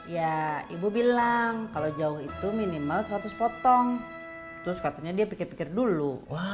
ya ibu bilang kalau jauh itu minimal seratus potong terus katanya dia pikir pikir dulu